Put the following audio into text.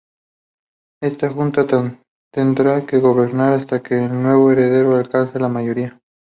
Esta Junta tendría que gobernar hasta que el nuevo heredero alcanzase la mayoría.